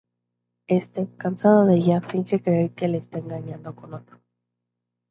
Este, cansado de ella, finge creer que esta le ha engañado con otro.